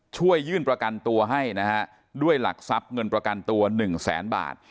ช่วยยื่นประกันตัวให้นะฮะด้วยหลักทรัพย์เงินประกันตัวหนึ่งแสนบาท